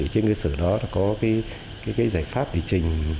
trên người sửa đó có cái giải pháp địa chỉnh